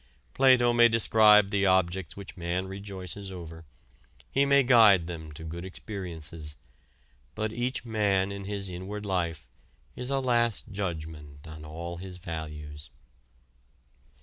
Plato may describe the objects which man rejoices over, he may guide them to good experiences, but each man in his inward life is a last judgment on all his values.